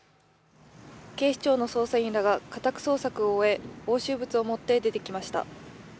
警視庁の捜査員らが家宅捜索を終え押収物を持って出てきました。